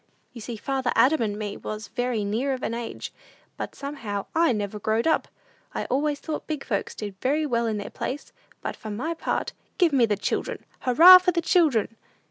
You see father Adam and me was very near of an age, but somehow I never growed up! I always thought big folks did very well in their place; but for my part, give me the children. Hurrah for the children!"